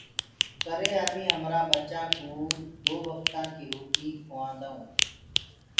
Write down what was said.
ڪري هميٚنٚ همرآ ٻچآنٚ ڪوٚ دو وڪتآنٚ ڪيٚ روُٽي کُواهيرآئونٚ۔